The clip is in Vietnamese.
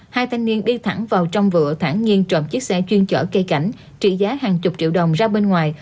hai thanh niên đi thẳng vào trong vựa thản nhiên trộm chiếc xe chuyên chở cây cảnh trị giá hàng chục triệu đồng ra bên ngoài